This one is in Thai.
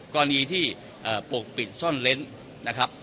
กรณีที่ปกปิดซ่อนเล้นนะครับ